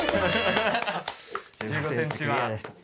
１５ｃｍは。